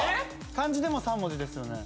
漢字でも３文字ですよね？